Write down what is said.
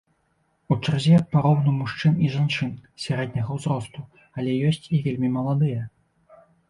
У чарзе пароўну мужчын і жанчын сярэдняга ўзросту, але ёсць і вельмі маладыя.